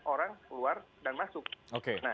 orang keluar dan masuk